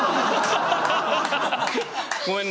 ごめんね。